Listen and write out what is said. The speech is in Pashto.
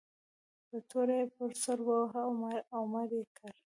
په توره یې پر سر وواهه او مړ یې کړ.